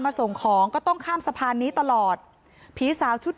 เมื่อเวลาอันดับ